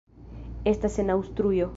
Estas en Aŭstrujo.